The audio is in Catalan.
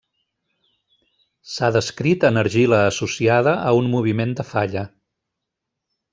S'ha descrit en argila associada a un moviment de falla.